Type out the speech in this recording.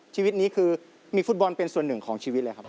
ชีวิตนี้คือมีฟุตบอลเป็นส่วนหนึ่งของชีวิตเลยครับ